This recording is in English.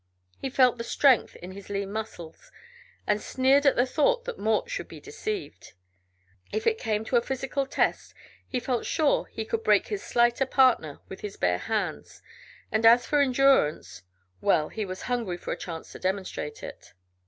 He felt the strength in his lean muscles, and sneered at the thought that Mort should be deceived. If it came to a physical test he felt sure he could break his slighter partner with his bare hands, and as for endurance well, he was hungry for a chance to demonstrate it.